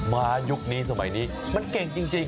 ยุคนี้สมัยนี้มันเก่งจริง